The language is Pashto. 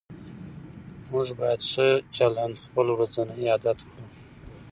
موږ باید ښه چلند خپل ورځنی عادت کړو